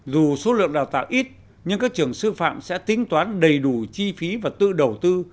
dù số lượng đào tạo ít nhưng các trường sư phạm sẽ tính toán đầy đủ chi phí và tự đầu tư